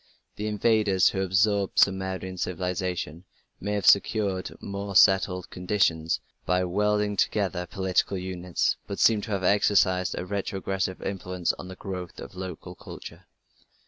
The invaders who absorbed Sumerian civilization may have secured more settled conditions by welding together political units, but seem to have exercised a retrogressive influence on the growth of local culture.